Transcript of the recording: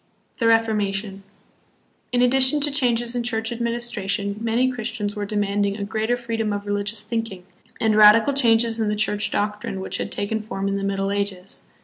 The Reformation. In addition to changes in church administration, many Christians were demanding a greater freedom of religious thinking and radical changes hi the Church doctrine which had taken form in the Middle Ages.